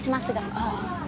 ああ。